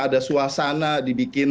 ada suasana dibikin